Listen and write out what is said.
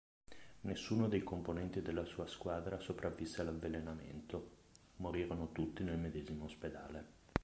Nessuno dei componenti della sua squadra sopravvisse all'avvelenamento: morirono tutti nel medesimo ospedale.